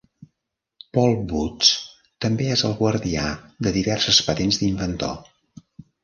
Paul Bouts també és el guardià de diverses patents d'inventor.